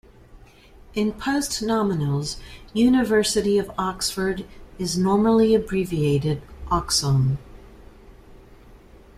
In postnominals, "University of Oxford" is normally abbreviated "Oxon.